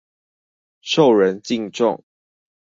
受人敬重